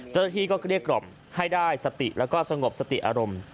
เจ้าหน้าที่ก็เกลี้ยกล่อมให้ได้สติแล้วก็สงบสติอารมณ์